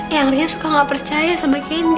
yang ria suka nggak percaya sama kenny